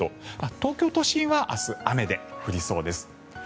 東京都心は明日雨で降りそうです。